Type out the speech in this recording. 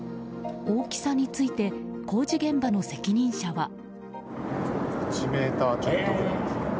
大きさについて工事現場の責任者は。